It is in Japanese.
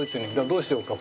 どうしようか？